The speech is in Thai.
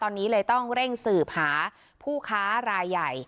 ตอนนี้เลยต้องเร่งสืบหาผู้ค้ารายใหญ่